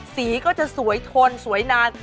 สีก็จะสวยทนสวยนาน